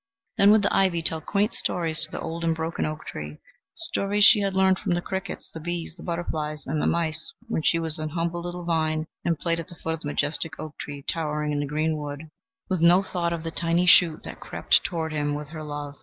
Then would the ivy tell quaint stories to the old and broken oak tree, stories she had learned from the crickets, the bees, the butterflies, and the mice when she was an humble little vine and played at the foot of the majestic oak tree towering in the green wood with no thought of the tiny shoot that crept toward him with her love.